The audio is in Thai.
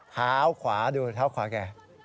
เท้าขวาดูเท้าขวาแก